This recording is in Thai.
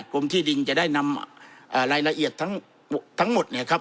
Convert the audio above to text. กรมที่ดินจะได้นำรายละเอียดทั้งหมดเนี่ยครับ